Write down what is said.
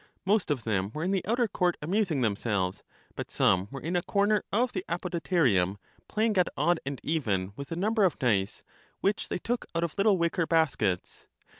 Most of them were in the outer court amusing themselves; but some were in a corner of the Apodyterium play ing at odd and even with a number of dice, which they took out of little wicker baskets.